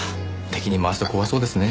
敵に回すと怖そうですね。